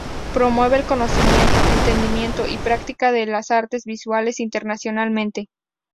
Promueve el conocimiento, entendimiento y práctica de las artes visuales internacionalmente.